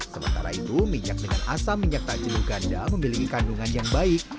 sementara itu minyak dengan asam minyak tak jenuh ganda memiliki kandungan yang baik